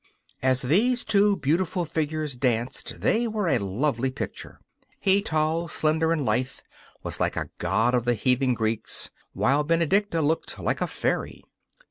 As these two beautiful figures danced they were a lovely picture. He, tall, slender and lithe, was like a god of the heathen Greeks, while Benedicta looked like a fairy.